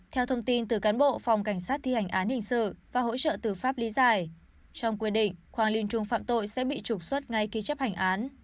theo thông tin từ cán bộ phòng cảnh sát thi hành án hình sự và hỗ trợ từ pháp lý giải trong quy định hoàng liên trung phạm tội sẽ bị trục xuất ngay khi chấp hành án